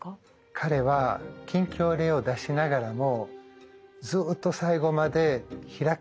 彼は禁教令を出しながらもずっと最後まで開かれた国を目指しました。